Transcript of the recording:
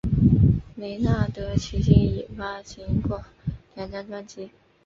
梅纳德迄今已发行过两张专辑。